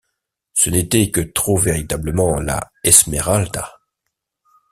Ce n’était que trop véritablement la Esmeralda.